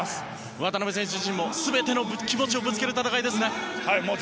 渡邊選手自身も全ての気持ちをぶつける戦いですね。